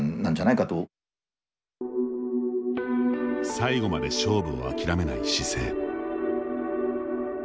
最後まで勝負を諦めない姿勢。